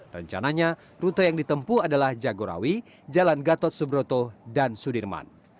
rencananya rute yang ditempu adalah jagorawi jalan gatot subroto dan sudirman